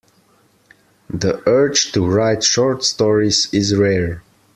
The urge to write short stories is rare.